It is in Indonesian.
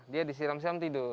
dia disiram siram tidur